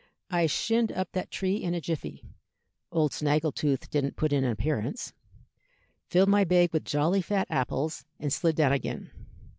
I shinned up that tree in a jiffy (old Snaggletooth didn't put in an appearance), filled my bag with jolly fat apples, and slid down again.